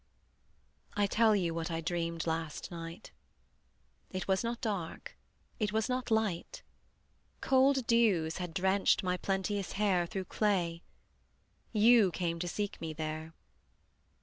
I tell you what I dreamed last night: It was not dark, it was not light, Cold dews had drenched my plenteous hair Through clay; you came to seek me there.